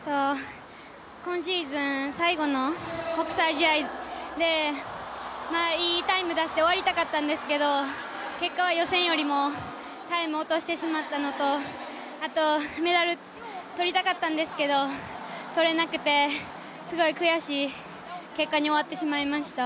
今シーズン最後の国際試合で、いいタイム出して終わりたかったんですけど結果は予選よりもタイム落としてしまったのとメダルとりたかったんですけどとれなくて、すごい悔しい結果に終わってしまいました。